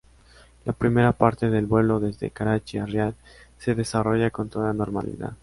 La primera parte del vuelo desde Karachi a Riad se desarrolla con toda normalidad.